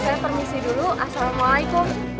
saya permisi dulu assalamualaikum